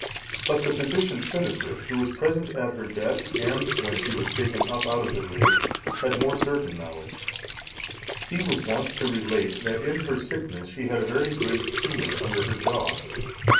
But the physician, Cynifrid, who was present at her death, and when she was taken up out of the grave, had more certain knowledge. He was wont to relate that in her sickness she had a very great tumour under her jaw.